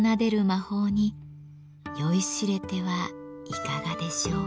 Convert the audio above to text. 魔法に酔いしれてはいかがでしょう？